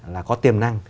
là có tiềm năng